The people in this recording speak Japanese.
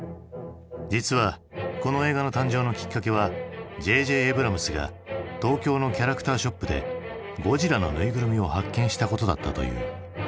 実はこの映画の誕生のきっかけはＪ・Ｊ・エイブラムスが東京のキャラクターショップでゴジラのぬいぐるみを発見したことだったという。